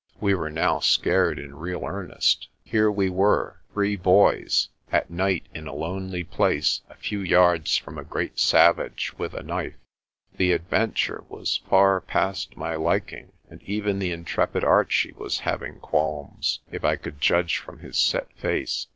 We were now scared in real earnest. Here were we, three boys, at night in a lonely place a few yards from a great savage with a knife. The adventure was far past my lik ing, and even the intrepid Archie was having qualms, if I could judge from his set face.